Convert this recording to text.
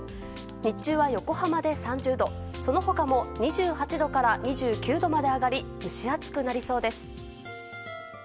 日中は横浜で３０度、その他も２８度から２９度まで上がり蒸し暑くなりそうです。